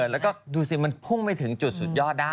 แล้วก็ดูสิมันพุ่งไม่ถึงจุดสุดยอดได้